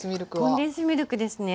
コンデンスミルクですね